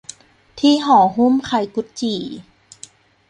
ที่ห่อหุ้มไข่กุดจี่